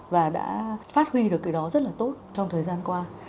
và đã phát huy được cái đó rất là tốt trong thời gian qua